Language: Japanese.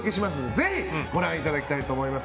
ぜひご覧いただきたいと思います。